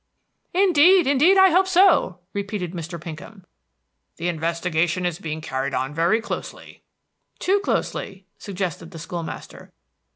"Indeed, indeed, I hope so," repeated Mr. Pinkham. "The investigation is being carried on very closely." "Too closely," suggested the school master.